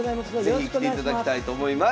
是非来ていただきたいと思います。